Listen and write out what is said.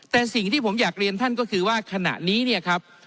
แต่สิ่งที่ผมอยากเรียนท่านก็คือว่าขณะนี้เนี่ยครับ